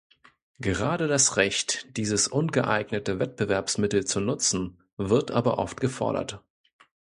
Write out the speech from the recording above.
Gerade das Recht, dieses ungeeignete Wettbewerbsmittel zu nutzen, wird aber oft gefordert.